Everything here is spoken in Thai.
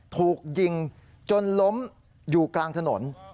ถูกยิงจนล้มอยู่กลางถนน